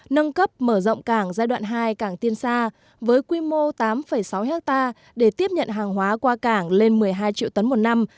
nâng cấp mở rộng cảng giai đoạn hai cảng tiên sa với quy mô tám sáu ha để tiếp nhận hàng hóa qua cảng lên một mươi hai triệu tấn một năm